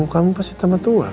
kamu pasti tamat tua kan